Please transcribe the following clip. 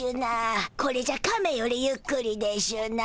これじゃカメよりゆっくりでしゅな。